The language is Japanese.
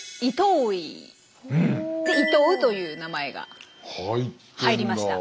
で「イトウ」という名前が入りました。